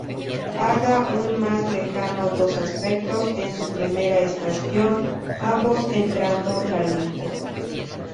Haga un más lejano dos aspectos en su primera estación, ambos entrando la liga.